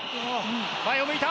前を向いた。